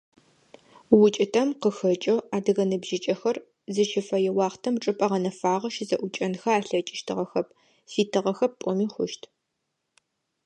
УкӀытэм къыхэкӀэу адыгэ ныбжьыкӀэхэр зыщыфэе уахътэм чӀыпӀэ гъэнэфагъэ щызэӀукӀэнхэ алъэкӀыщтыгъэхэп, фитыгъэхэп пӀоми хъущт.